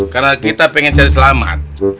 karena kita pengen cari selamat